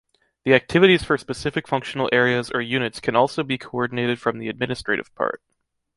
The activities for specific functional areas or units can also be coordinated from the administrative part.